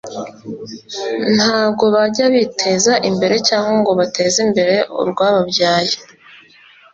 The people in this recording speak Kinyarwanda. ntago bajya biteza imbere cyangwa ngo bateze imbere urwababyaye,